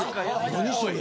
何それ？